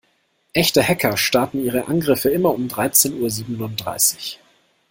Echte Hacker starten ihre Angriffe immer um dreizehn Uhr siebenunddreißig.